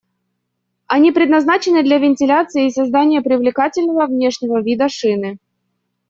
Они предназначены для вентиляции и создания привлекательного внешнего вида шины.